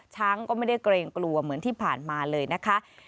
ช้างก็ไม่ได้เกรงกลัวเหมือนที่ผ่านมาเลยนะคะ